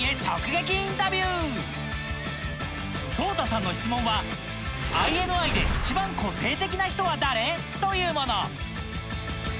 ＳＯＴＡさんの質問はＩＮＩで１番個性的な人は誰？というもの